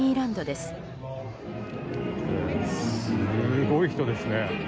すごい人ですね。